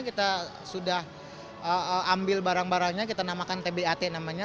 kita sudah ambil barang barangnya kita namakan tbat namanya